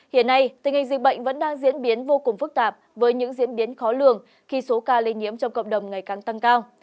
hiện nay tình hình dịch bệnh vẫn đang diễn biến vô cùng phức tạp với những diễn biến khó lường khi số ca lây nhiễm trong cộng đồng ngày càng tăng cao